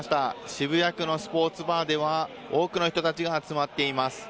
渋谷区のスポーツバーでは多くの人たちが集まっています。